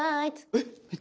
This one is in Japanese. えっ